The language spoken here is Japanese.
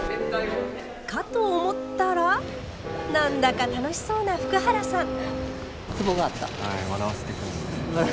かと思ったら何だか楽しそうな福原さん。